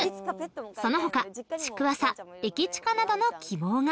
その他築浅駅近などの希望が］